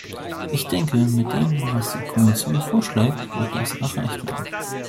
Ich denke, mit dem, was die Kommission vorschlägt, wird das erreicht werden.